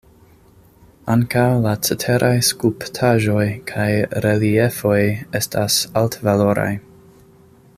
Ankaŭ la ceteraj skulptaĵoj kaj reliefoj estas altvaloraj.